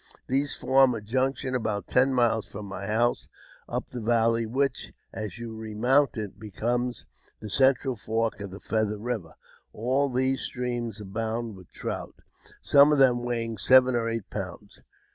These form a junction about ten miles from ^ my house up the valley, which, as you remount it, becomes ^^ the central fork of the Feather Eiver. All these streams ^| abound with trout, some of them weighing seven or eight pounds.